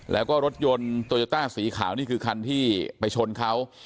แล้วก็รถยนต์โตโยต้าสีขาวนี่คือคันที่ไปชนเขา